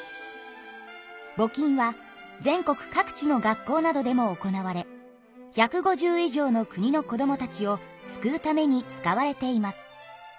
ぼ金は全国各地の学校などでも行われ１５０以上の国の子どもたちを救うために使われています。